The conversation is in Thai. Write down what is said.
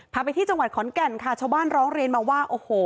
พาไปที่จังหวัดขอนแก่นค่ะชาวบ้านร้องเรียนมาว่าโอ้โห